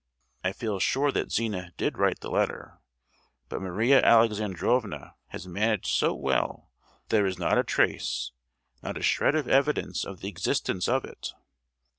I feel sure that Zina did write the letter; but Maria Alexandrovna has managed so well that there is not a trace, not a shred of evidence of the existence of it.